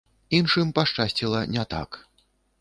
Іншым пашчасціла не так.